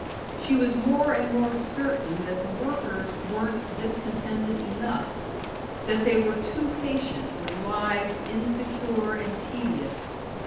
She was more and more certain that the workers weren't discontented enough; that they were too patient with lives insecure and tedious.